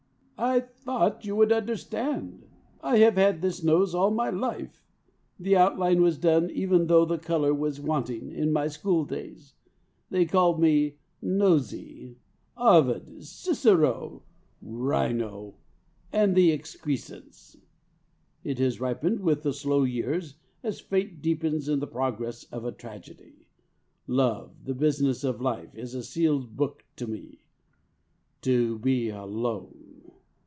"I thought you would understand. I have had this nose all my life. The outline was done, even though the colour was wanting, in my school days. They called me 'Nosey,' 'Ovid,' 'Cicero,' 'Rhino,' and the 'Excrescence.' It has ripened with the slow years, as fate deepens in the progress of a tragedy. Love, the business of life, is a sealed book to me. To be alone!